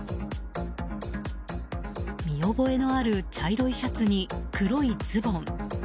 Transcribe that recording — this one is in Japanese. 見覚えのある茶色いシャツに黒いズボン。